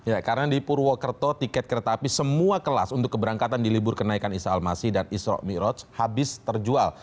ya karena di purwokerto tiket kereta api semua kelas untuk keberangkatan di libur kenaikan isa al masih dan isro miroj habis terjual